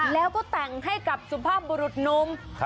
แล้วก็แต่งให้กับสุภาพบุรุษนุ่ม